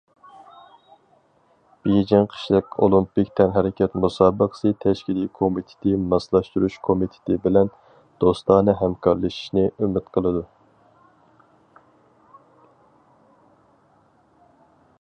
بېيجىڭ قىشلىق ئولىمپىك تەنھەرىكەت مۇسابىقىسى تەشكىلى كومىتېتى ماسلاشتۇرۇش كومىتېتى بىلەن دوستانە ھەمكارلىشىشنى ئۈمىد قىلىدۇ.